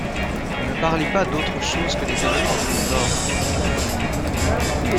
Ne me parlez pas d’autre chose Que des ténèbres où l’on dort!